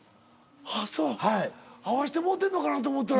あっそう会わしてもうてんのかなと思ったら。